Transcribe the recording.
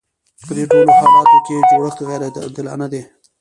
په دې ټولو حالاتو کې جوړښت غیر عادلانه دی.